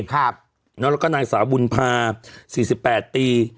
แล้วก็นางสาวบุญภา๔๘ปี